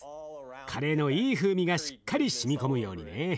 カレーのいい風味がしっかりしみ込むようにね。